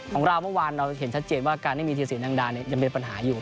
ของเราเมื่อวานเราเห็นชัดเจนว่าการไม่มีทีสินดังดายังเป็นปัญหาอยู่